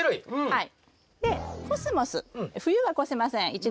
はい。